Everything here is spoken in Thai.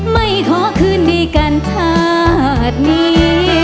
ไม่ขอคืนดีกันชาตินี้